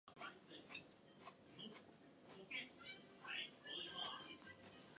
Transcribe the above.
The body is made from magnesium alloy and carbon composite materials.